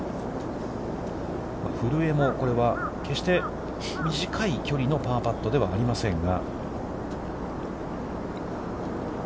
古江も、これは決して短い距離のパーパットではありませんが。